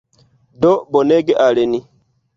Do bonege al ni.